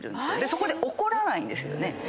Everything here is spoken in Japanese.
そこで怒らないんですよね。